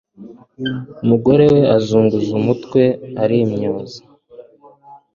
umugore we azunguza umutwe arimyoza.